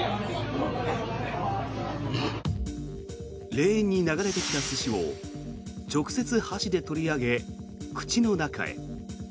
レーンに流れてきた寿司を直接、箸で取り上げ口の中へ。